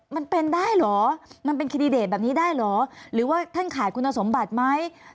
มันเป็นได้เหรอมันเป็นแคนดิเดตแบบนี้ได้เหรอหรือว่าท่านขาดคุณสมบัติไหม